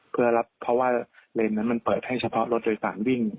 เพื่อรับเพราะว่าเลนส์นั้นมันเปิดให้เฉพาะรถโดยสารวิ่ง